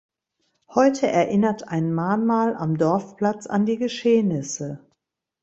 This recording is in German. Heute erinnert ein Mahnmal am Dorfplatz an die Geschehnisse.